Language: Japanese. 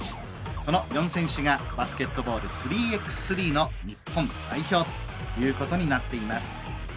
この４選手がバスケットボール３ｘ３の日本代表ということになっています。